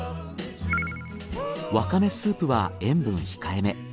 ワカメスープは塩分控えめ。